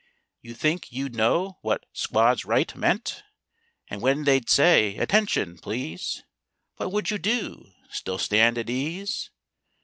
You think you'd know what "squads right" meant? And when they'd say "Attention!" Please What would you do? Still stand at ease?